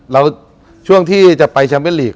เราช่วงที่จะไปชามเบนท์ลีก